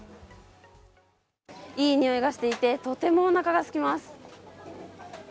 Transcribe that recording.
いい匂いがしていて、とてもお腹がすきます。